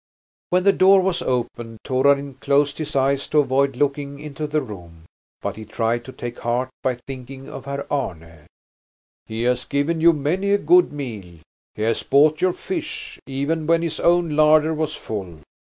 When the door was opened Torarin closed his eyes to avoid looking into the room, but he tried to take heart by thinking of Herr Arne. "He has given you many a good meal. He has bought your fish, even when his own larder was full.